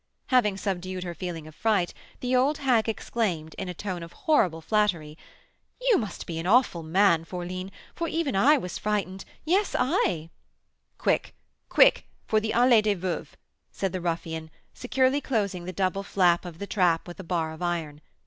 Having subdued her feeling of fright, the old hag exclaimed, in a tone of horrible flattery: "You must be an awful man, fourline, for even I was frightened! yes, I!" "Quick, quick, for the Allée des Veuves!" said the ruffian, securely closing the double flap of the trap with a bar of iron.